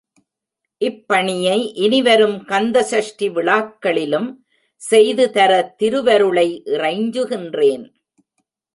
இப்பணியை இனிவரும் கந்த சஷ்டி விழாக்களிலும் செய்து தர திருவருளை இறைஞ்சுகின்றேன்.